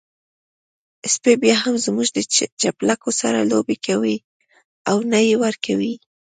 سپی بيا هم زموږ د چپلکو سره لوبې کوي او نه يې ورکوي.